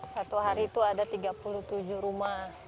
satu hari itu ada tiga puluh tujuh rumah